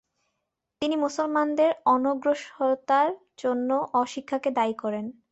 তিনি মুসলমানদের অনগ্রসরতার জন্য অশিক্ষাকে দায়ী করেন।